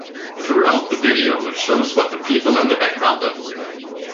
Throughout the video it shows what the people in the background are doing.